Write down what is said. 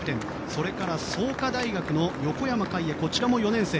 それから創価大学の横山こちらも４年生。